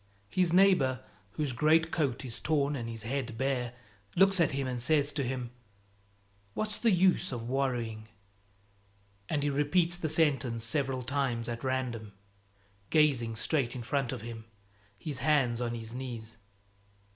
His neighbor, whose greatcoat is torn and his head bare, looks at him and says to him "What's the use of worrying?" And he repeats the sentence several times at random, gazing straight in front of him, his hands on his knees.